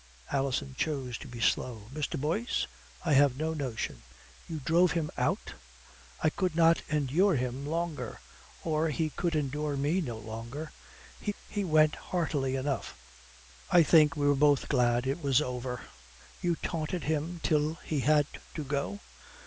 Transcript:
Alison chose to be slow. "Mr. Boyce? I have no notion." "You drove him out?" "I could not endure him longer. Or he could endure me no longer. He went heartily enough. I think we were both glad it was over." "You taunted him till he had to go?"